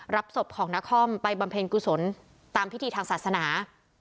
รับศพของนครไปบำเพ็ญกุศลตามพิธีทางศาสนา